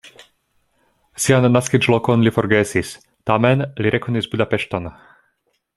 Sian naskiĝlokon li forgesis, tamen li rekonis Budapeŝton.